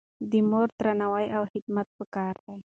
د مور درناوی او خدمت پکار دی.